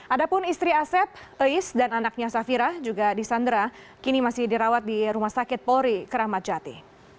ada pun istri asep ais dan anaknya safira juga disandera kini masih dirawat di rumah sakit polri keramat jati